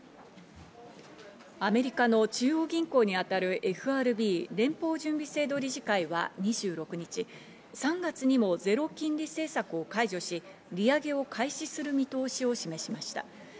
アメリカの中央銀行にあたるＦＲＢ＝連邦準備制度理事会は２６日、３月にもゼロ金利政策を解除し、利上げを開始する見通しを示しました。